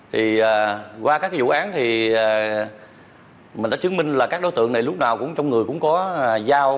thì qua các vụ án thì mình đã chứng minh là các đối tượng này lúc nào cũng trong người cũng có giao